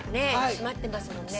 閉まってますもんね。